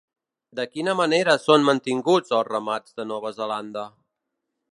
De quina manera són mantinguts els ramats de Nova Zelanda?